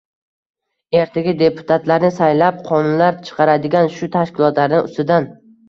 ertaga deputatlarini saylab, qonunlar chiqaradigan shu tashkilotlarni ustidan